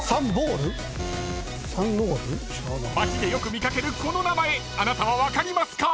［街でよく見掛けるこの名前あなたは分かりますか？］